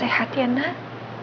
yang sehat ya nak